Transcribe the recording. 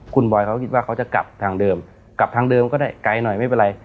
คุณบอยเขาคิดว่าเขาจะกลับทางเดิมกลับทางเดิมก็ได้ไกลหน่อยไม่เป็นไร